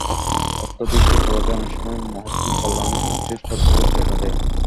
অত্যধিক দুর্বলতাই অনেক সময় মহত্তম কল্যাণ ও শক্তির ছদ্মবেশে দেখা দেয়।